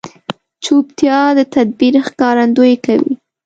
چوپتیا، د تدبیر ښکارندویي کوي.